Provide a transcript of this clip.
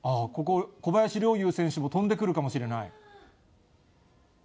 ここ、小林陵侑選手も飛んでくるかもしれない？